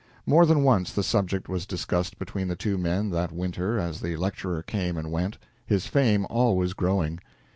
More than once the subject was discussed between the two men that winter as the lecturer came and went, his fame always growing.